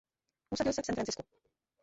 Usadil se v San Francisku.